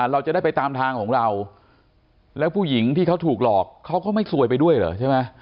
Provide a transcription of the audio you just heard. เราจะได้ไปตามทางของเราแล้วผู้หญิงที่เขาถูกหลอกเขาก็ไม่ซวยไปด้วยเหรอใช่ไหม